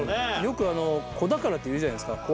よく「子宝」というじゃないですか